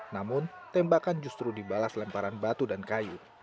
namun tembakan justru dibalas lemparan batu dan kayu